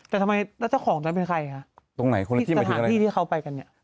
แต่ทำไมแล้วเจ้าของนั้นเป็นใครคะตรงไหนคนที่สถานที่ที่เขาไปกันเนี่ย